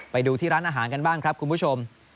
ไปดูที่ร้านอาหารกันบ้างครับคุณผู้ชม